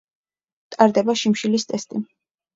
ტარდება შიმშილის ტესტი.